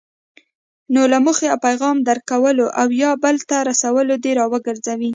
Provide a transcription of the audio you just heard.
نو له موخې او پیغام درک کولو او یا بل ته رسولو دې راګرځوي.